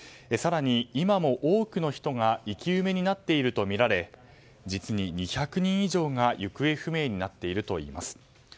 更に今も多くの人が生き埋めになっているとみられ実に２００人以上が行方不明になっているといいます。